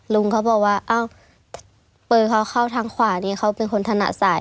ลุงเขาบอกว่าอ้าวปืนเขาเข้าทางขวานี่เขาเป็นคนถนัดสาย